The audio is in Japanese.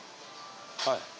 はい。